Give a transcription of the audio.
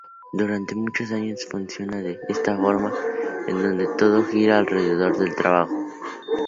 Durante muchos años funciona de esta forma, en donde todo gira alrededor del trabajo.